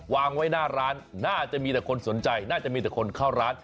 วางไว้หน้าร้านน่าจะมีแต่คนสนใจน่าจะมีแต่คนเข้าร้าน